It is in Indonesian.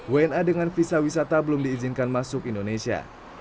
wna dengan visa wisata belum diizinkan masuk indonesia